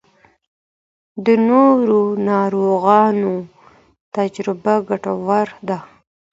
د نورو ناروغانو تجربه ګټوره ده.